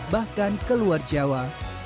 bahkan ke luar jawa